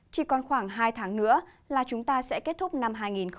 chỉ còn khoảng hai tháng nữa là chúng ta sẽ kết thúc năm hai nghìn hai mươi